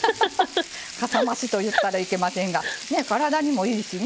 かさ増しと言ったらいけませんが体にもいいしね